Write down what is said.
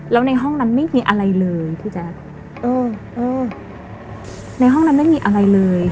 แล้วในห้องนั้นไม่มีอะไรเลยพี่แจ๊คเออเออในห้องนั้นไม่มีอะไรเลย